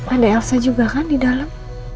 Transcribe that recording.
ada elsa juga kan di dalam